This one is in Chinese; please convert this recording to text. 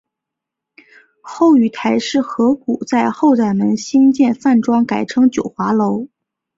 后与邰氏合股在后宰门兴建饭庄改称九华楼。